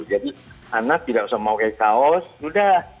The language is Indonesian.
jadi anak tidak usah mau pakai kaos sudah